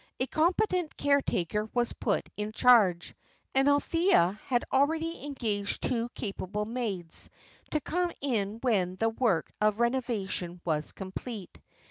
A competent caretaker was put in charge. And Althea had already engaged two capable maids, to come in when the work of renovation was complete.